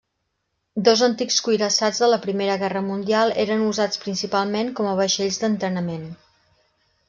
Dos antics cuirassats de la Primera Guerra Mundial eren usats principalment com a vaixells d'entrenament.